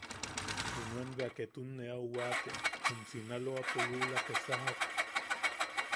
Junam ne bea ketun ne au waate, jum Sinaloapo luula te sajak.